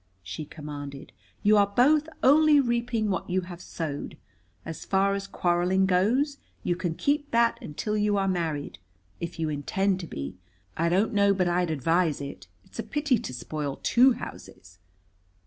she commanded. "You are both only reaping what you have sowed. As far as quarreling goes, you can keep that until you are married, if you intend to be. I don't know but I'd advise it. It's a pity to spoil two houses."